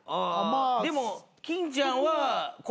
でも金ちゃんは。